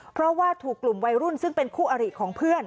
เพราะว่าถูกกลุ่มวัยรุ่นซึ่งเป็นคู่อริของเพื่อน